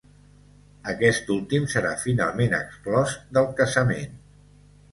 Aquest últim serà finalment exclòs del casament.